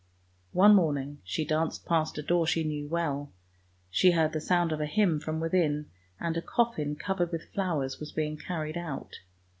One morning she danced past a door she knew well; she heard the sound of a hymn from within, and a coffin covered with flowers was being carried out.